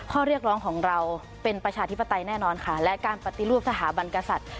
ข้อเรียกร้องของเราเป็นประชาธิปไตยแน่นอนค่ะและการปฏิรูปสถาบันกษัตริย์